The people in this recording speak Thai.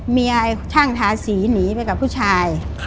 เมียช่างทาสีหนีไปกับผู้ชาย